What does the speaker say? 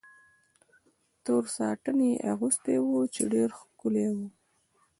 تور ساټن یې اغوستی و، چې ډېر ښکلی و.